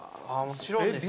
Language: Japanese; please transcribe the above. もちろんですよ。